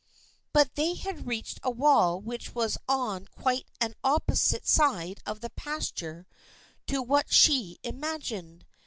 But they had reached a wall which was on quite an opposite side of the pasture to what she imagined.